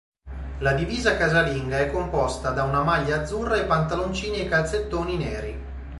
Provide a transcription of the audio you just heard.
La divisa casalinga è composta da una maglia azzurra e pantaloncini e calzettoni neri.